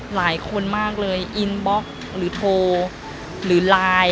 หลายคนมากเลยอินบล็อกหรือโทรหรือไลน์